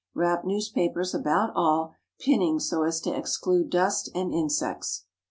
Wrap newspapers about all, pinning so as to exclude dust and insects.